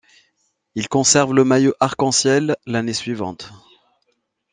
Il conserve le maillot arc en ciel, l'année suivante.